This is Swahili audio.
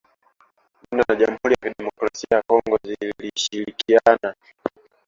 Rwanda na Jamhuri ya kidemokrasia ya Kongo zilishirikiana